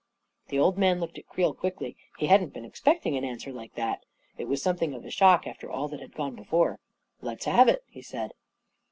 The old man looked at Creel quickly; he hadn't been expecting an answer like that. It was some thing of a shock after all that had gone before. "Let's have it," he said.